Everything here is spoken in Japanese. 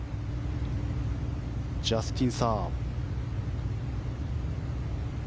ジャスティン・サー。